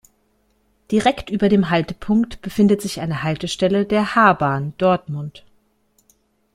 Direkt über dem Haltepunkt befindet sich eine Haltestelle der H-Bahn Dortmund.